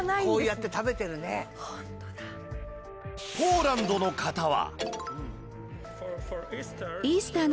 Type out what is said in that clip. ポーランドの方は